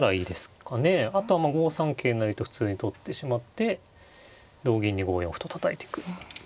あとは５三桂成と普通に取ってしまって同銀に５四歩とたたいてく。